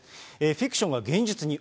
フィクションが現実に。